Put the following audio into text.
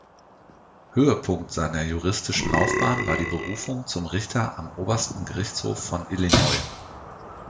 Höhepunkt seiner juristischen Laufbahn war die Berufung zum Richter am obersten Gerichtshof von Illinois.